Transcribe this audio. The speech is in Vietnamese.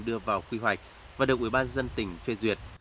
đưa vào quy hoạch và được ủy ban dân tỉnh phê duyệt